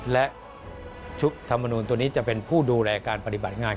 และชุดธรรมนูลตัวนี้จะเป็นผู้ดูแลการปฏิบัติงาน